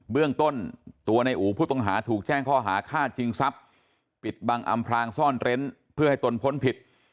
เรื่องต้นตัวในอู๋ผู้ต้องหาถูกแจ้งข้อหาฆ่าชิงทรัพย์ปิดบังอำพลางซ่อนเร้นเพื่อให้ตนพ้นผิด